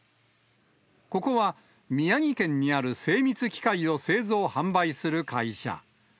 ここは、宮城県にある精密機械を製造・販売する会社。